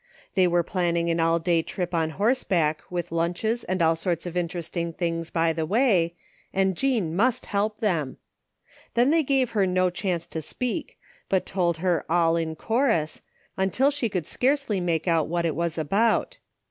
They were planning an all day trip on horseback with lunches and all sorts of interesting things by the way, and Jean must help them. Then they gave her no chance to speak, but told her all in chorus, until she could scarcely make out what it was about.